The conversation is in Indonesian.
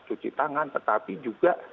cuci tangan tetapi juga